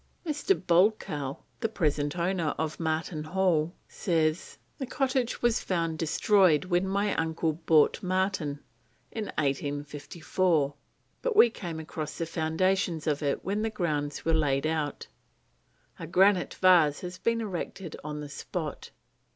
Mr. Bolckow, the present owner of Marton Hall, says: "The cottage was found destroyed when my uncle bought Marton in 1854, but we came across the foundations of it when the grounds were laid out." A granite vase has been erected on the spot.